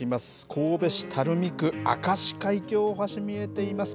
神戸市垂水区、明石海峡大橋見えています。